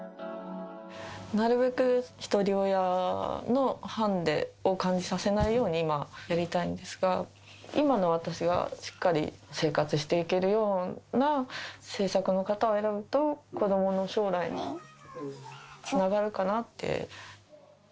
なるべくひとり親のハンデを感じさせないように、今、やりたいんですが、今の私がしっかり生活していけるような政策の方を選ぶと、子どもの将来にもつながるかなって。